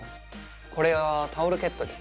これはタオルケットです